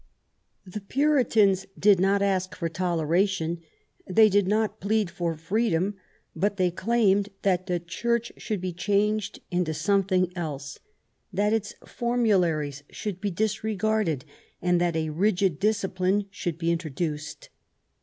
The Puritans THE NEW ENGLAND. 261 did not ask for toleration, they did not plead for freedom ; but they claimed that the Church should be changed into something else, that its formularies should be disregarded, and that a rigid discipline should be introduced.